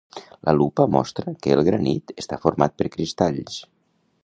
La lupa mostra que el granit està format per cristalls.